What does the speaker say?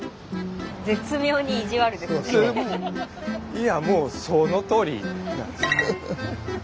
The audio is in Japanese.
いやもうそのとおりなんです。